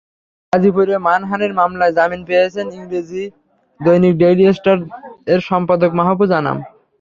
গাজীপুরে মানহানির মামলায় জামিন পেয়েছেন ইংরেজি দৈনিক ডেইলি স্টার-এর সম্পাদক মাহফুজ আনাম।